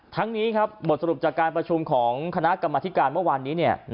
ทั้งนี้ครับบทสรุปจากการประชุมของคณะกรรมธิการเมื่อวานนี้